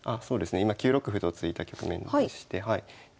今９六歩と突いた局面でして。